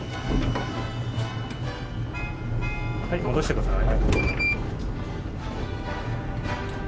はい戻してください。